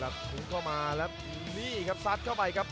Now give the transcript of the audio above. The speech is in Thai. ถุงเข้ามาแล้วนี่ครับซัดเข้าไปครับ